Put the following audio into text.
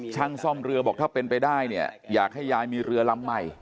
ช่างซ่อมเรือบอกถ้าเป็นไปได้เนี่ยอยากให้ยายมีเรือลำใหม่